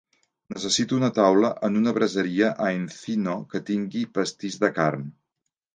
Necessito una taula en una braseria a Encino que tingui pastís de carn.